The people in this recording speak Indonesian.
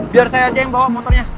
biar saya aja yang bawa motornya